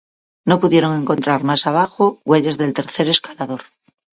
No pudieron encontrar más abajo huellas del tercer escalador.